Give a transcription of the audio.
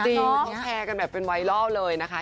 ใช่แคมค์แชร์กันแบบเป็นวัยรอบเลยนะคะ